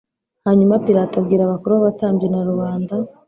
hanyuma pilato abwira abakuru b abatambyi na rubanda